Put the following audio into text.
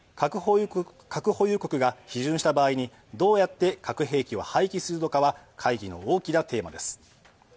核保有国が批准した場合にどうやって核兵器を廃棄するのかは会議の大きなテーマです。